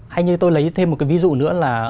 hay như tôi lấy thêm một cái ví dụ nữa là